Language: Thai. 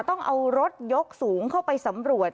ต้องเอารถยกสูงเข้าไปสำรวจ